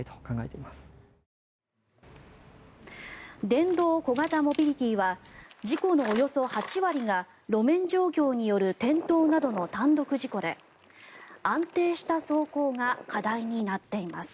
電動小型モビリティーは事故のおよそ８割が路面状況による転倒などの単独事故で安定した走行が課題になっています。